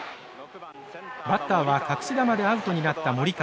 バッターは隠し球でアウトになった森川。